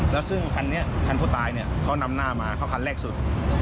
และซึ่งคันพวกตายนี่เขานำหน้ามาเขาคันแรกสุด